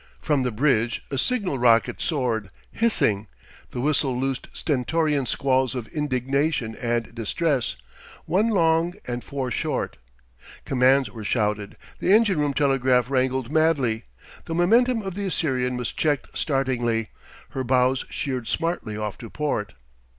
From the bridge a signal rocket soared, hissing. The whistle loosed stentorian squalls of indignation and distress one long and four short. Commands were shouted; the engine room telegraph wrangled madly. The momentum of the Assyrian was checked startlingly; her bows sheered smartly off to port.